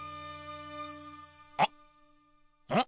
あっうん？